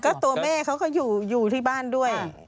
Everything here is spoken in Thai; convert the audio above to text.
ก็ตัวแม่เขาก็อยู่ที่บ้านด้วย